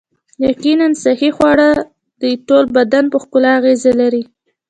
یقیناً صحي خواړه د ټول بدن په ښکلا اغیزه لري